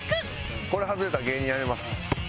これ外れたら芸人やめます。